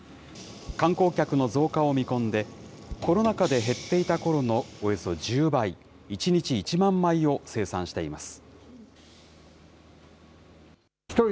観光客の増加を見込んで、コロナ禍で減っていたころのおよそ１０倍、１日１万枚を生産しています。